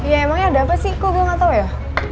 ya emangnya ada apa sih kok gue gak tau ya